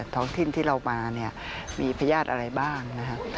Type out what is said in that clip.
ท้องถิ่นที่เรามีพระยาทธิ์อะไรบ้าง